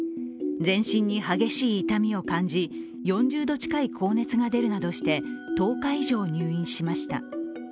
全身に激しい痛みを感じ４０度近い高熱が出るなどして１０日以上入院しました。